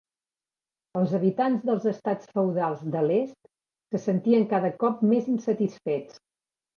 Els habitants dels estats feudals de l'est se sentien cada cop més insatisfets.